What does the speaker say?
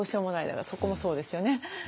だからそこもそうですよね。